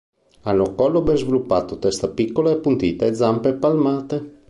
Hanno collo ben sviluppato, testa piccola e appuntita e zampe palmate.